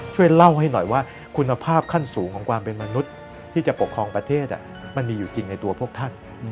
ช่วยเล่าให้หน่อยว่าคุณภาพขั้นสูงของความเป็นมนุษย์ที่จะปกครองประเทศมันมีอยู่จริงในตัวพวกท่าน